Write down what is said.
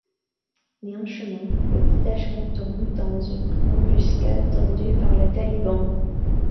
Mais en chemin, le détachement tombe dans une embuscade tendue par les Taliban.